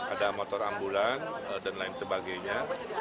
ada motor ambulan dan lain sebagainya